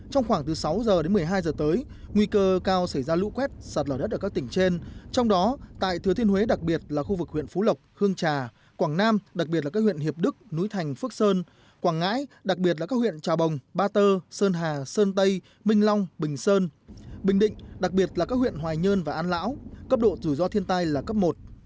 trong khoảng từ sáu giờ đến một mươi hai giờ tới nguy cơ cao xảy ra lũ quét sạt lở đất ở các tỉnh trên trong đó tại thừa thiên huế đặc biệt là khu vực huyện phú lộc hương trà quảng nam đặc biệt là các huyện hiệp đức núi thành phước sơn quảng ngãi đặc biệt là các huyện trà bồng ba tơ sơn hà sơn tây minh long bình sơn bình định đặc biệt là các huyện hoài nhơn và an lão cấp độ rủi ro thiên tai là cấp một